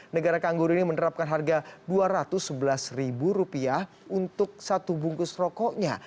negara kangguru ini menerapkan harga rp dua ratus sebelas untuk satu bungkus rokoknya